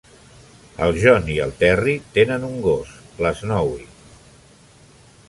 El John i el Terry tenen un gos: l'Snowy.